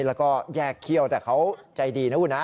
แล้วก็แยกเขี้ยวแต่เขาใจดีนะคุณนะ